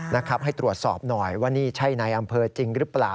นะครับให้ตรวจสอบหน่อยว่านี่ใช่ในอำเภอจริงหรือเปล่า